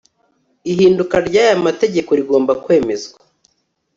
ihinduka ry aya mategeko rigomba kwemezwa